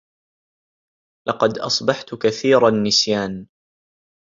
لقد أصبحت كثير النّسيان.